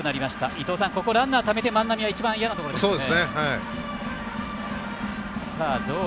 伊東さん、ランナーをためて万波は一番、嫌なところですね。